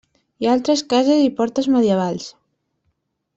Hi ha altres cases i portes medievals.